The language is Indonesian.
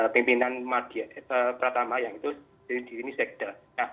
pimpinan pratama yang itu diri diri sekda